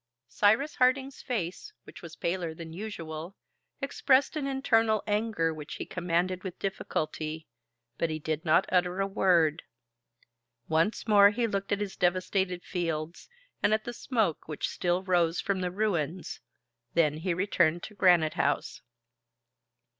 Cyrus Harding's face, which was paler than usual, expressed an internal anger which he commanded with difficulty, but he did not utter a word. Once more he looked at his devastated fields, and at the smoke which still rose from the ruins, then he returned to Granite House.